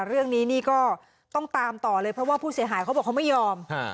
เรื่องนี้นี่ก็ต้องตามต่อเลยเพราะว่าผู้เสียหายเขาบอกเขาไม่ยอม